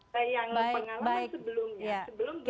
saya yang pengalaman sebelumnya